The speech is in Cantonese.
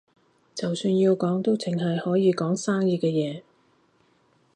就算要講，都淨係可以講生意嘅嘢